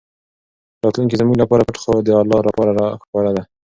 راتلونکی زموږ لپاره پټ خو د الله لپاره ښکاره دی.